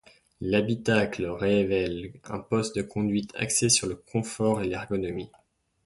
L'habitacle révèle un poste de conduite axé sur le confort et l'ergonomie.